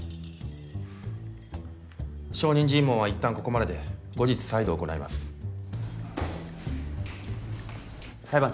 証人尋問はいったんここまでで後日再度行います